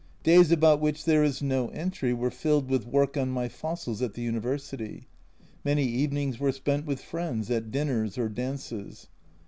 Days about which there is no entry were filled with work on my fossils at the University. Many evenings were spent with friends at dinners or dances.